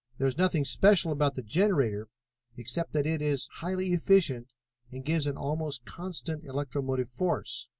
There is nothing special about the generator except that it is highly efficient and gives an almost constant electromotive force.